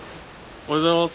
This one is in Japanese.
おはようございます。